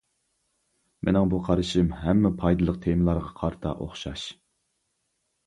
مىنىڭ بۇ قارىشىم ھەممە پايدىلىق تېمىلارغا قارىتا ئوخشاش.